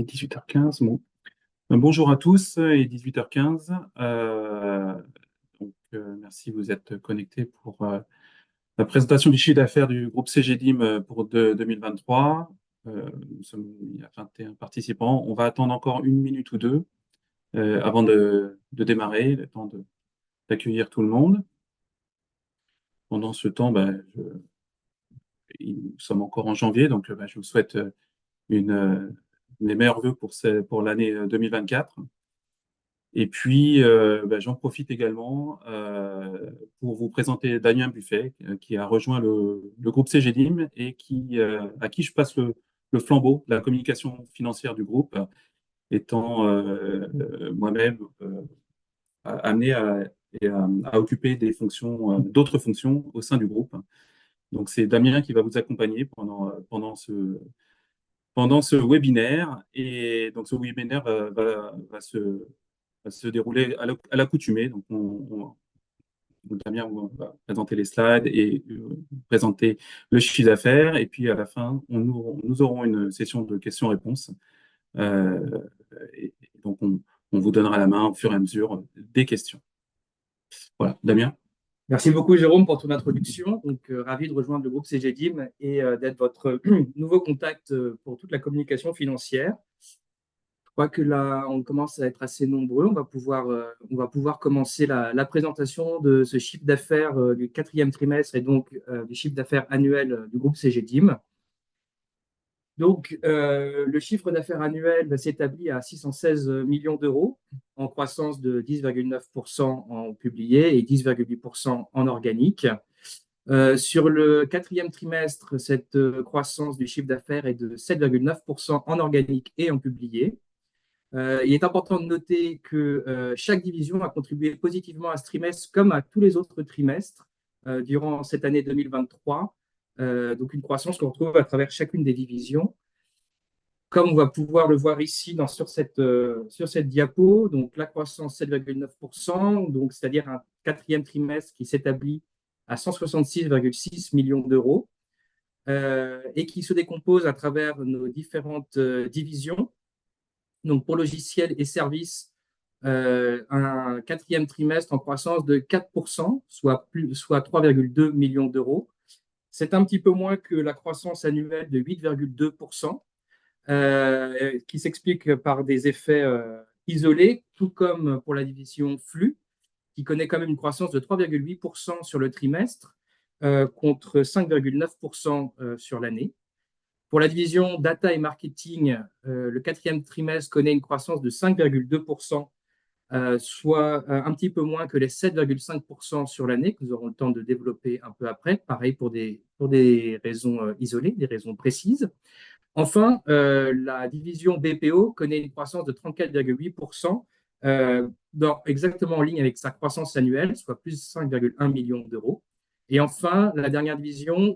Il est dix-huit heures quinze. Bonjour à tous, il est dix-huit heures quinze. Donc merci, vous êtes connectés pour la présentation du chiffre d'affaires du groupe Cegidim pour 2023. Nous sommes il y a vingt-et-un participants. On va attendre encore une minute ou deux avant de démarrer, le temps d'accueillir tout le monde. Pendant ce temps, nous sommes encore en janvier, donc je vous souhaite mes meilleurs vœux pour l'année 2024. Et puis, j'en profite également pour vous présenter Damien Buffet, qui a rejoint le groupe Cegidim et qui, à qui je passe le flambeau, la communication financière du groupe, étant moi-même amené à occuper d'autres fonctions au sein du groupe. Donc c'est Damien qui va vous accompagner pendant ce webinaire. Ce webinaire va se dérouler à l'accoutumée. Donc, Damien, on va présenter les slides et présenter le chiffre d'affaires. Et puis, à la fin, nous aurons une session de questions-réponses. Donc, on vous donnera la main au fur et à mesure des questions. Voilà, Damien? Merci beaucoup Jérôme pour ton introduction. Donc, ravi de rejoindre le groupe Cegid et d'être votre nouveau contact pour toute la communication financière. Je crois que là, on commence à être assez nombreux. On va pouvoir commencer la présentation de ce chiffre d'affaires du quatrième trimestre et donc du chiffre d'affaires annuel du groupe Cegid. Le chiffre d'affaires annuel s'établit à €616 millions, en croissance de 10,9% en publié et 10,8% en organique. Sur le quatrième trimestre, cette croissance du chiffre d'affaires est de 7,9% en organique et en publié. Il est important de noter que chaque division a contribué positivement à ce trimestre, comme à tous les autres trimestres, durant cette année 2023. Une croissance qu'on retrouve à travers chacune des divisions. Comme on va pouvoir le voir ici, sur cette diapo, donc la croissance, 7,9%, c'est-à-dire un quatrième trimestre qui s'établit à €166,6 millions et qui se décompose à travers nos différentes divisions. Donc, pour Logiciels et services, un quatrième trimestre en croissance de 4%, soit €3,2 millions. C'est un petit peu moins que la croissance annuelle de 8,2%, qui s'explique par des effets isolés, tout comme pour la division Flux, qui connaît quand même une croissance de 3,8% sur le trimestre, contre 5,9% sur l'année. Pour la division Data & Marketing, le quatrième trimestre connaît une croissance de 5,2%, soit un petit peu moins que les 7,5% sur l'année, que nous aurons le temps de développer un peu après. Pareil, pour des raisons isolées, des raisons précises. Enfin, la division BPO connaît une croissance de 34,8%, donc exactement en ligne avec sa croissance annuelle, soit plus 5,1 millions d'euros. Et enfin, la dernière division,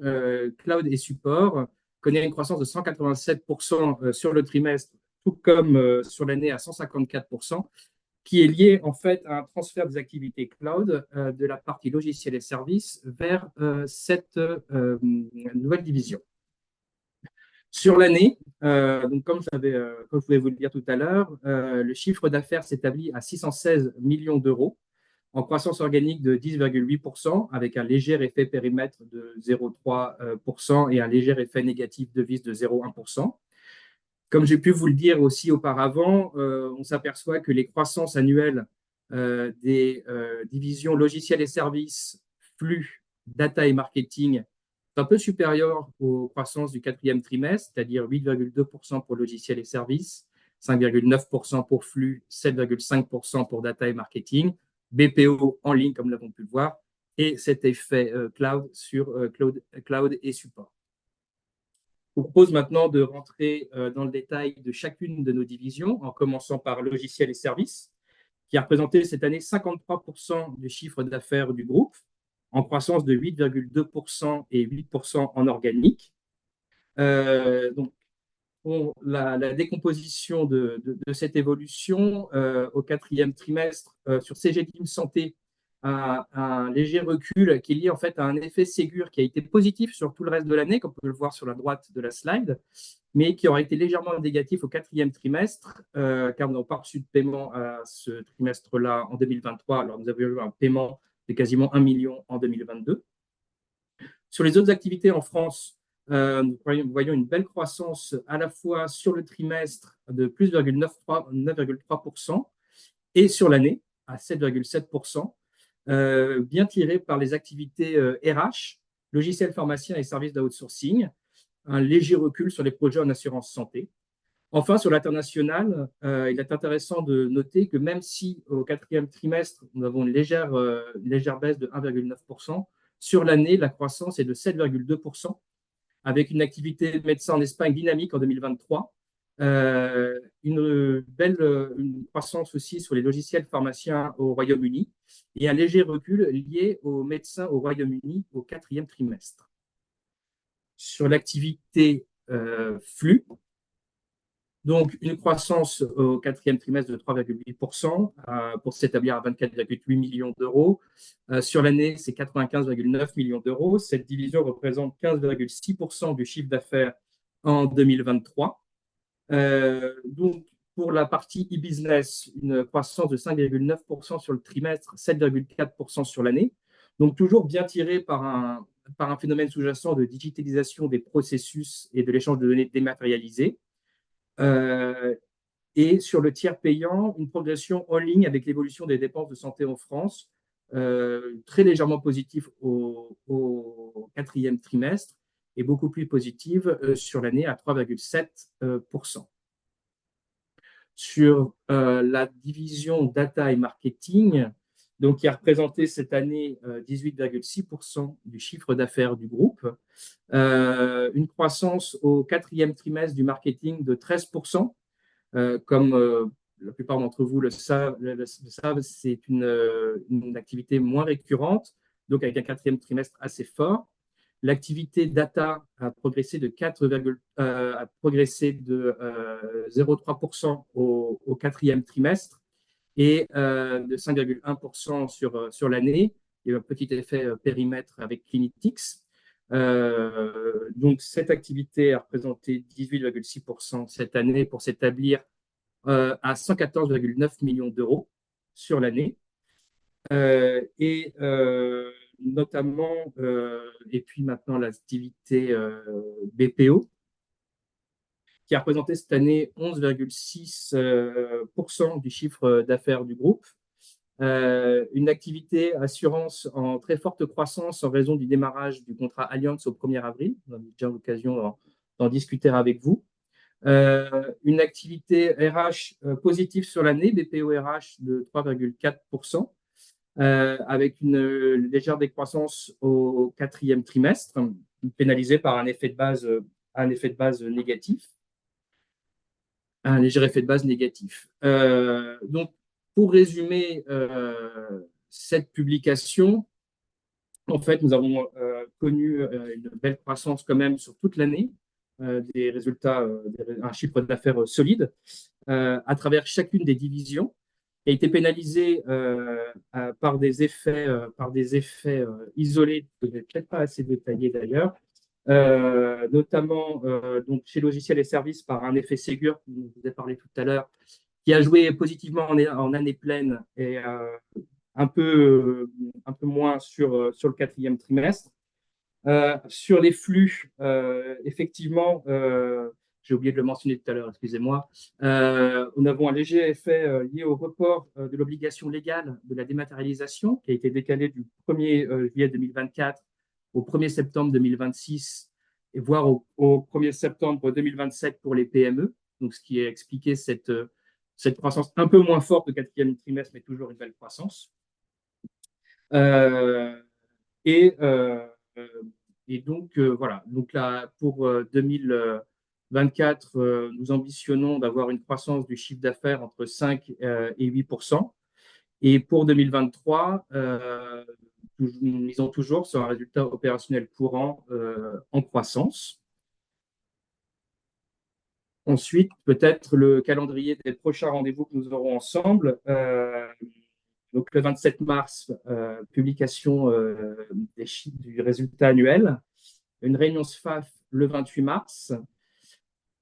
Cloud et Support, connaît une croissance de 187% sur le trimestre, tout comme sur l'année, à 154%, qui est liée en fait à un transfert des activités Cloud de la partie logiciels et services vers cette nouvelle division. Sur l'année, comme je pouvais vous le dire tout à l'heure, le chiffre d'affaires s'établit à 616 millions d'euros, en croissance organique de 10,8%, avec un léger effet périmètre de 0,3% et un léger effet négatif de devise de 0,1%. Comme j'ai pu vous le dire aussi auparavant, on s'aperçoit que les croissances annuelles des divisions Logiciels et Services, Flux, Data et Marketing, sont un peu supérieures aux croissances du quatrième trimestre, c'est-à-dire 8,2% pour Logiciels et Services, 5,9% pour Flux, 7,5% pour Data et Marketing, BPO en ligne, comme nous avons pu le voir, et cet effet Cloud sur Cloud et Support. Je vous propose maintenant de rentrer dans le détail de chacune de nos divisions, en commençant par Logiciels et Services, qui a représenté cette année 53% du chiffre d'affaires du groupe, en croissance de 8,2% et 8% en organique. Donc, la décomposition de cette évolution au quatrième trimestre sur Cegid Santé a un léger recul qui est lié en fait à un effet Ségur qui a été positif sur tout le reste de l'année, comme on peut le voir sur la droite de la slide, mais qui aura été légèrement négatif au quatrième trimestre, car nous n'avons pas reçu de paiement à ce trimestre-là en 2023. Alors, nous avions eu un paiement de quasiment €1 million en 2022. Sur les autres activités en France, nous voyons une belle croissance à la fois sur le trimestre de plus 9,3% et sur l'année, à 7,7%, bien tirée par les activités RH, logiciels pharmaciens et services d'outsourcing. Un léger recul sur les projets en assurance santé. Enfin, sur l'international, il est intéressant de noter que même si au quatrième trimestre, nous avons une légère baisse de 1,9%, sur l'année, la croissance est de 7,2%, avec une activité médecin en Espagne dynamique en 2023. Une belle croissance aussi sur les logiciels pharmaciens au Royaume-Uni et un léger recul lié aux médecins au Royaume-Uni au quatrième trimestre. Sur l'activité Flux, donc une croissance au quatrième trimestre de 3,8% pour s'établir à 24,8 millions d'euros. Sur l'année, c'est 95,9 millions d'euros. Cette division représente 15,6% du chiffre d'affaires en 2023. Donc pour la partie e-business, une croissance de 5,9% sur le trimestre, 7,4% sur l'année. Donc toujours bien tirée par un phénomène sous-jacent de digitalisation des processus et de l'échange de données dématérialisées. Et sur le tiers payant, une progression en ligne avec l'évolution des dépenses de santé en France, très légèrement positive au quatrième trimestre et beaucoup plus positive sur l'année à 3,7%. Sur la division data et marketing, donc qui a représenté cette année 18,6% du chiffre d'affaires du groupe, une croissance au quatrième trimestre du marketing de 13%. Comme la plupart d'entre vous le savent, c'est une activité moins récurrente, donc avec un quatrième trimestre assez fort. L'activité data a progressé de 0,3% au quatrième trimestre et de 5,1% sur l'année. Il y a un petit effet périmètre avec Clinic Tics. Donc cette activité a représenté 18,6% cette année pour s'établir à €114,9 millions sur l'année. Et notamment, et puis maintenant, l'activité BPO, qui a représenté cette année 11,6% du chiffre d'affaires du groupe. Une activité assurance en très forte croissance en raison du démarrage du contrat Allianz au premier avril. On a déjà eu l'occasion d'en discuter avec vous. Une activité RH positive sur l'année, BPO RH, de 3,4%, avec une légère décroissance au quatrième trimestre, pénalisée par un effet de base négatif, un léger effet de base négatif. Donc, pour résumer cette publication, en fait, nous avons connu une belle croissance quand même sur toute l'année, des résultats, un chiffre d'affaires solide à travers chacune des divisions, qui a été pénalisée par des effets isolés, peut-être pas assez détaillés d'ailleurs, notamment donc chez Logiciels et Services, par un effet Ségur, dont je vous ai parlé tout à l'heure, qui a joué positivement en année pleine et un peu moins sur le quatrième trimestre. Sur les flux, effectivement, j'ai oublié de le mentionner tout à l'heure, excusez-moi. Nous avons un léger effet lié au report de l'obligation légale de la dématérialisation, qui a été décalée du 1er juillet 2024 au 1er septembre 2026, voire au 1er septembre 2027 pour les PME. Donc, ce qui explique cette croissance un peu moins forte au quatrième trimestre, mais toujours une belle croissance. Donc là, pour 2024, nous ambitionnons d'avoir une croissance du chiffre d'affaires entre 5% et 8%. Pour 2023, nous misons toujours sur un résultat opérationnel courant en croissance. Ensuite, peut-être le calendrier des prochains rendez-vous que nous aurons ensemble. Donc le 27 mars, publication des chiffres du résultat annuel. Une réunion SFAF le 28 mars.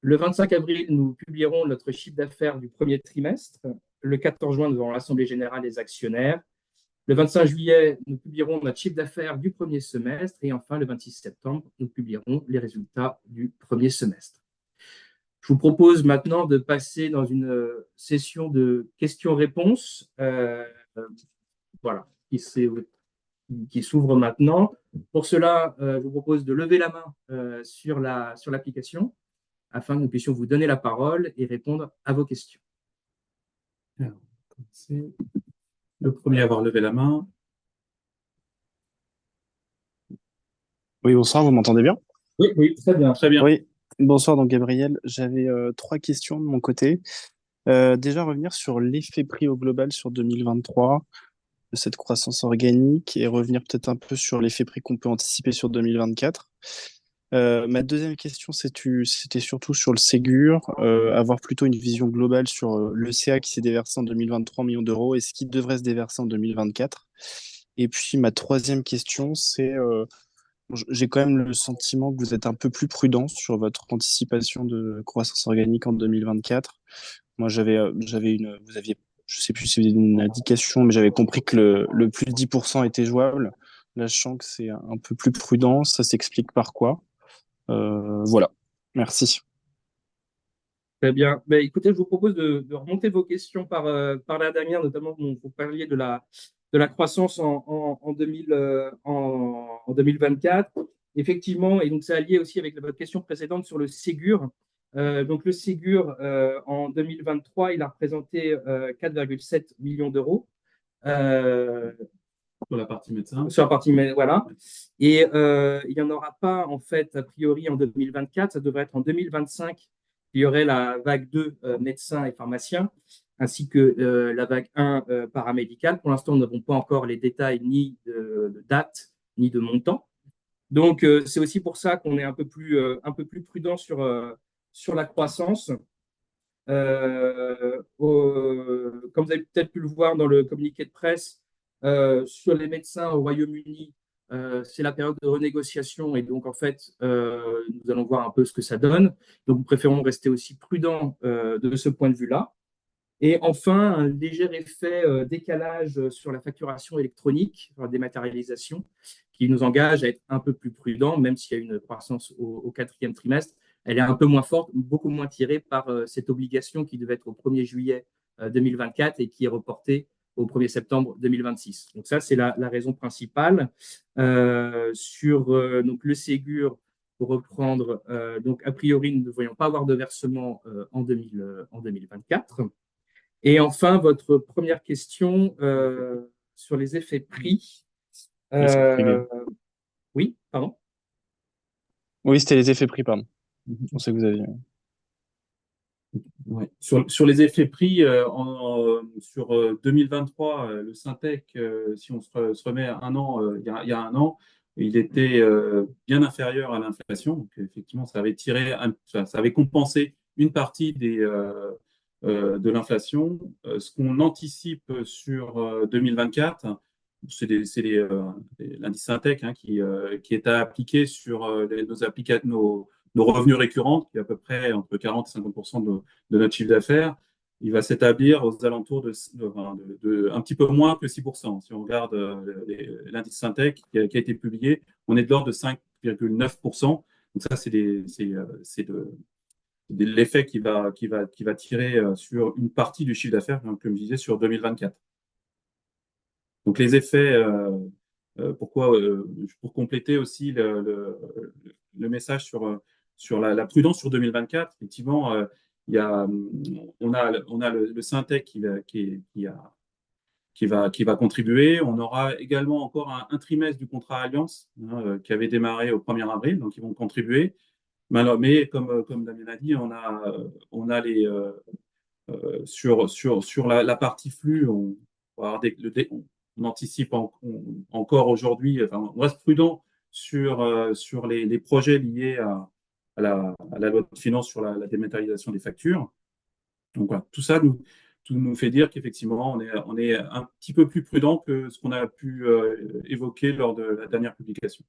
Le 25 avril, nous publierons notre chiffre d'affaires du premier trimestre. Le quatorze juin, nous aurons l'Assemblée générale des actionnaires. Le vingt-cinq juillet, nous publierons notre chiffre d'affaires du premier semestre et enfin, le vingt-six septembre, nous publierons les résultats du premier semestre. Je vous propose maintenant de passer dans une session de questions-réponses. Voilà, qui s'ouvre maintenant. Pour cela, je vous propose de lever la main sur l'application afin que nous puissions vous donner la parole et répondre à vos questions. Alors, c'est le premier à avoir levé la main. Oui, bonsoir, vous m'entendez bien? Oui, oui, très bien, très bien. Oui, bonsoir donc Gabriel. J'avais trois questions de mon côté. Déjà revenir sur l'effet prix au global sur 2023, de cette croissance organique et revenir peut-être un peu sur l'effet prix qu'on peut anticiper sur 2024. Ma deuxième question, c'est, c'était surtout sur le Ségur, avoir plutôt une vision globale sur le CA qui s'est déversé en 2023 millions d'euros et ce qui devrait se déverser en 2024. Et puis, ma troisième question, c'est... j'ai quand même le sentiment que vous êtes un peu plus prudent sur votre anticipation de croissance organique en 2024. Moi, j'avais, j'avais une, vous aviez, je ne sais plus si c'était une indication, mais j'avais compris que le plus de 10% était jouable. Là, je sens que c'est un peu plus prudent. Ça s'explique par quoi? Voilà. Merci. Très bien. Écoutez, je vous propose de remonter vos questions par la dernière, notamment, dont vous parliez de la croissance en 2000, en 2024. Effectivement, et donc c'est lié aussi avec votre question précédente sur le Ségur. Donc, le Ségur, en 2023, il a représenté 4,7 millions d'euros. Sur la partie médecin. Sur la partie médecin, voilà. Et il n'y en aura pas, en fait, a priori, en 2024. Ça devrait être en 2025, il y aurait la vague deux, médecins et pharmaciens, ainsi que la vague un paramédicale. Pour l'instant, nous n'avons pas encore les détails ni de date ni de montant. Donc c'est aussi pour ça qu'on est un peu plus prudent sur la croissance. Comme vous avez peut-être pu le voir dans le communiqué de presse sur les médecins au Royaume-Uni, c'est la période de renégociation et donc en fait, nous allons voir un peu ce que ça donne. Donc, nous préférons rester aussi prudents de ce point de vue-là. Et enfin, un léger effet décalage sur la facturation électronique, la dématérialisation, qui nous engage à être un peu plus prudent, même s'il y a une croissance au quatrième trimestre. Elle est un peu moins forte, beaucoup moins tirée par cette obligation qui devait être au 1er juillet 2024 et qui est reportée au 1er septembre 2026. Donc ça, c'est la raison principale. Sur le Ségur, pour reprendre, donc a priori, nous ne devrions pas avoir de versement en 2024. Et enfin, votre première question sur les effets de prix. Oui, pardon? Oui, c'était les effets prix, pardon. On sait que vous aviez... Oui, sur les effets prix, sur 2023, le Syntec, si on se remet à un an, il y a un an, il était bien inférieur à l'inflation. Donc effectivement, ça avait tiré, ça avait compensé une partie de l'inflation. Ce qu'on anticipe sur 2024, c'est l'indice Syntec qui est à appliquer sur nos applications, nos revenus récurrents, qui est à peu près entre 40% et 50% de notre chiffre d'affaires. Il va s'établir aux alentours d'un petit peu moins que 6%. Si on regarde l'indice Syntec qui a été publié, on est de l'ordre de 5,9%. Donc ça, c'est l'effet qui va tirer sur une partie du chiffre d'affaires, comme je disais, sur 2024. Donc, les effets, pourquoi? Pour compléter aussi le message sur la prudence sur 2024. Effectivement, il y a, on a le Syntec qui va contribuer. On aura également encore un trimestre du contrat Alliance, qui avait démarré au 1er avril, donc ils vont contribuer. Mais comme Damien l'a dit, on a les, sur la partie flux, on anticipe encore aujourd'hui. On reste prudent sur les projets liés à la loi de finances, sur la dématérialisation des factures. Donc tout ça nous fait dire qu'effectivement, on est un petit peu plus prudent que ce qu'on a pu évoquer lors de la dernière publication.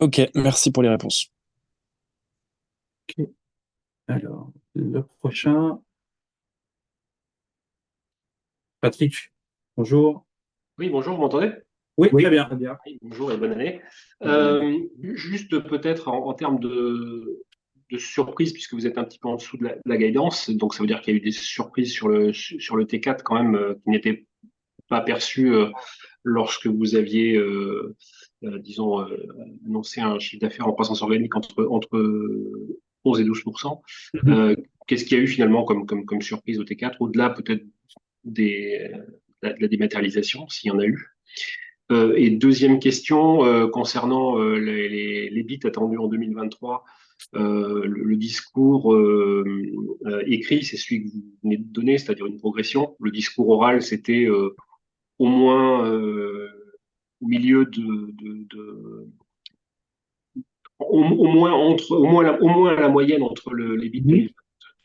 OK, merci pour les réponses. OK. Alors, le prochain. Patrick, bonjour. Oui, bonjour, vous m'entendez? Oui, très bien. Bonjour et bonne année. Juste peut-être en termes de surprise, puisque vous êtes un petit peu en dessous de la guidance. Donc, ça veut dire qu'il y a eu des surprises sur le T4 quand même, qui n'étaient pas perçues lorsque vous aviez annoncé un chiffre d'affaires en croissance organique entre 11% et 12%. Qu'est-ce qu'il y a eu finalement comme surprise au T4? Au-delà peut-être de la dématérialisation, s'il y en a eu. Deuxième question concernant les bids attendus en 2023. Le discours écrit, c'est celui que vous venez de donner, c'est-à-dire une progression. Le discours oral, c'était au moins milieu de, au moins entre, au moins la moyenne entre les bits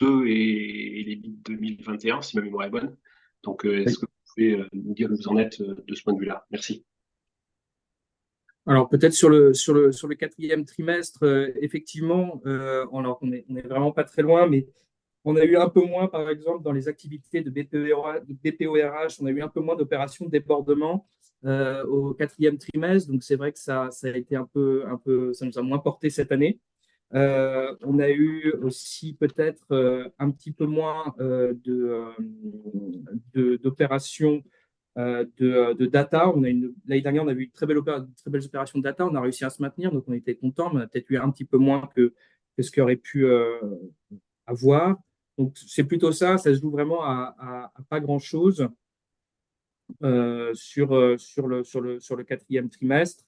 de 2020 et les bits de 2021, si ma mémoire est bonne. Donc, est-ce que vous pouvez nous dire où vous en êtes de ce point de vue-là? Merci. Alors peut-être sur le quatrième trimestre, effectivement, on n'est vraiment pas très loin, mais on a eu un peu moins, par exemple, dans les activités de BPO RH. On a eu un peu moins d'opérations de débordement au quatrième trimestre. Donc c'est vrai que ça, ça a été un peu, ça nous a moins porté cette année. On a eu aussi peut-être un petit peu moins d'opérations de data. L'année dernière, on a eu une très belle opération, très belle opération de data. On a réussi à se maintenir, donc on était content, mais on a peut-être eu un petit peu moins que ce qu'on aurait pu avoir. Donc c'est plutôt ça. Ça se joue vraiment à pas grand-chose sur le quatrième trimestre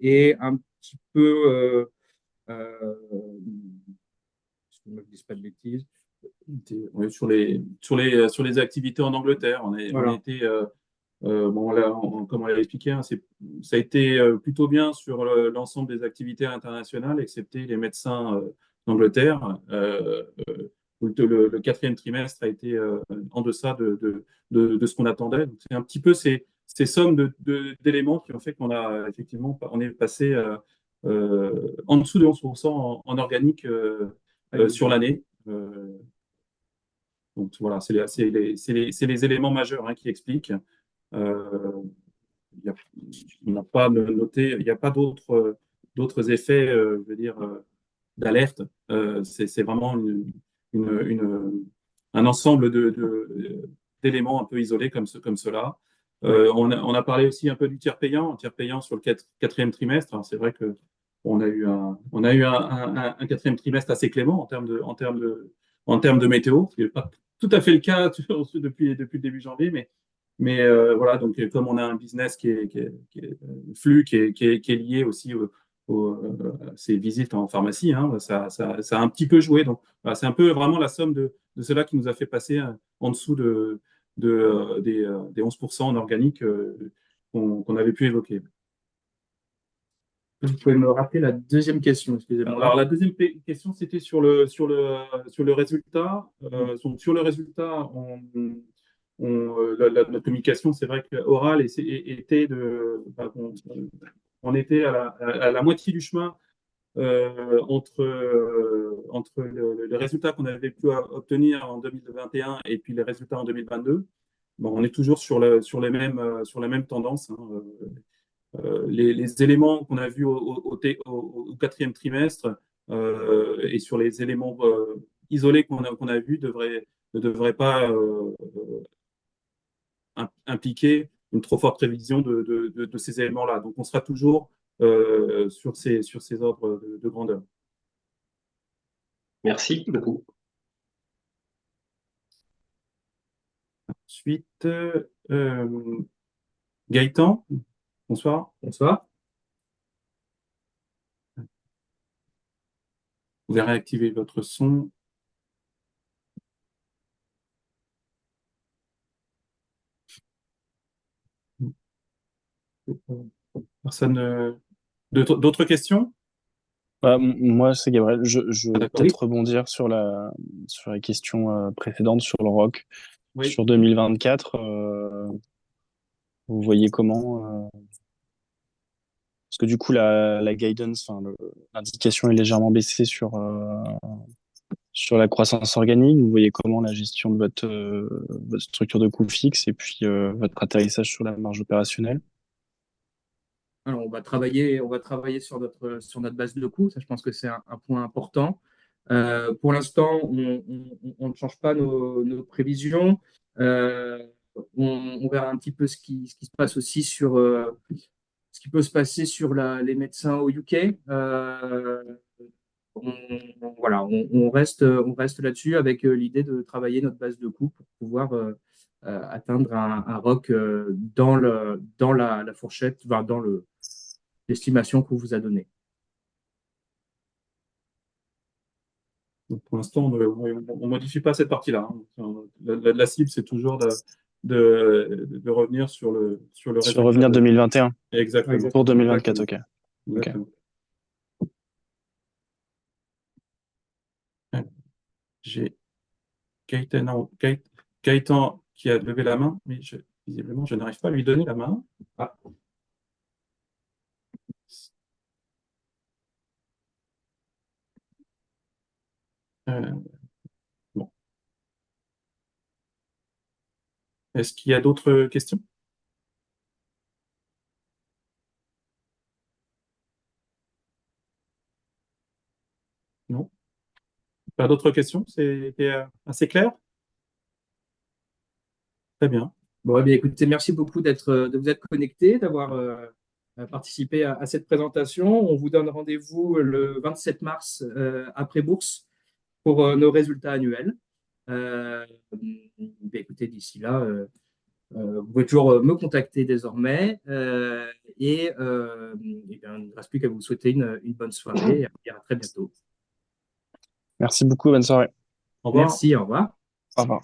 et un petit peu, je ne dis pas de bêtises, sur les activités en Angleterre. On a été... Bon, comme elle a expliqué, ça a été plutôt bien sur l'ensemble des activités à l'international, excepté les médecins en Angleterre, où le quatrième trimestre a été en deçà de ce qu'on attendait. Donc c'est un petit peu ces sommes d'éléments qui ont fait qu'on a effectivement, on est passé en dessous de 11% en organique sur l'année. Donc voilà, c'est les éléments majeurs qui expliquent. On n'a pas noté, il n'y a pas d'autres effets, je veux dire, d'alerte. C'est vraiment un ensemble d'éléments un peu isolés comme ceux, comme cela. On a parlé aussi un peu du tiers payant. En tiers payant, sur le quatrième trimestre, c'est vrai qu'on a eu un quatrième trimestre assez clément en termes de météo. Ce qui n'est pas tout à fait le cas depuis le début janvier. Mais voilà, comme on a un business qui est flux, qui est lié aussi aux visites en pharmacie, ça a un petit peu joué. Donc c'est un peu vraiment la somme de cela qui nous a fait passer en dessous des 11% en organique qu'on avait pu évoquer. Vous pouvez me rappeler la deuxième question, excusez-moi? Alors la deuxième question, c'était sur le résultat. Sur le résultat, notre communication, c'est vrai qu'orale, était de, on était à la moitié du chemin entre les résultats qu'on avait pu obtenir en 2021 et puis les résultats en 2022. On est toujours sur la même tendance. Les éléments qu'on a vus au quatrième trimestre et sur les éléments isolés qu'on a vus ne devraient pas impliquer une trop forte révision de ces éléments-là. Donc on sera toujours sur ces ordres de grandeur. Merci beaucoup. Ensuite, Gaëtan. Bonsoir, bonsoir. Vous allez réactiver votre son. Personne... d'autres questions? Moi, c'est Gabriel. Je voudrais peut-être rebondir sur la question précédente, sur le ROC. Sur 2024, vous voyez comment? Parce que du coup, la guidance, l'indication est légèrement baissée sur la croissance organique. Vous voyez comment la gestion de votre structure de coûts fixes et puis votre atterrissage sur la marge opérationnelle? Alors, on va travailler sur notre base de coûts. Ça, je pense que c'est un point important. Pour l'instant, on ne change pas nos prévisions. On verra un petit peu ce qui se passe aussi sur les médecins au UK. On reste là-dessus avec l'idée de travailler notre base de coûts pour pouvoir atteindre un ROC dans la fourchette, dans l'estimation qu'on vous a donnée. Donc pour l'instant, on ne modifie pas cette partie-là. La cible, c'est toujours de revenir sur le... Sur revenir deux mille vingt et un. Exactement. Pour deux mille vingt-quatre, OK. J'ai Gaëtan, Gaëtan qui a levé la main, mais visiblement, je n'arrive pas à lui donner la main. Bon. Est-ce qu'il y a d'autres questions? Non. Pas d'autres questions? C'était assez clair? Très bien. Bon écoutez, merci beaucoup d'être, de vous être connectés, d'avoir participé à cette présentation. On vous donne rendez-vous le 27 mars après bourse pour nos résultats annuels. Écoutez, d'ici là, vous pouvez toujours me contacter désormais et il ne reste plus qu'à vous souhaiter une bonne soirée et à très bientôt. Merci beaucoup, bonne soirée. Merci, au revoir. Au revoir.